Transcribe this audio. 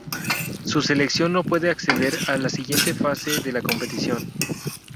Su selección no pudo acceder a la siguiente fase de la competición.